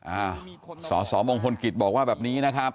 อ้าวสอบองค์ฮลกิจบอกว่าแบบนี้นะครับ